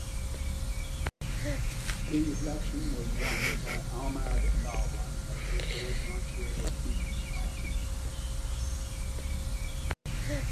The election was won by Ahmad Lawan of the All Nigeria Peoples Party.